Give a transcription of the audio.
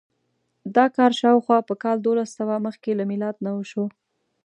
دا کار شاوخوا په کال دوولسسوه مخکې له میلاد نه وشو.